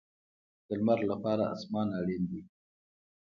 د لمر لپاره اسمان اړین دی